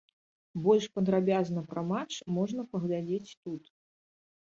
Больш падрабязна пра матч можна паглядзець тут.